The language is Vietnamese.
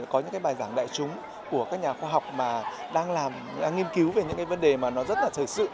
có những cái bài giảng đại chúng của các nhà khoa học mà đang nghiên cứu về những cái vấn đề mà nó rất là thời sự